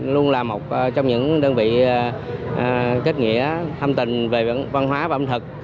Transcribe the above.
luôn là một trong những đơn vị kết nghĩa hành tình về văn hóa và ẩm thực